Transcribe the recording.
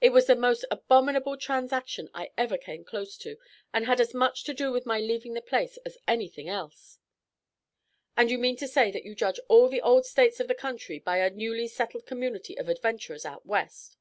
It was the most abominable transaction I ever came close to, and had as much to do with my leaving the place as anything else." "And you mean to say that you judge all the old States of the country by a newly settled community of adventurers out West?"